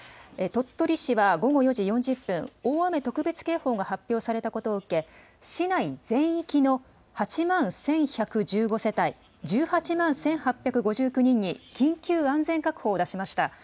鳥取市は午後４時４０分、大雨特別警報が発表されたことを受け、市内全域の８万１１１５世帯１８万１８５９人に、緊急安全確保を出しました。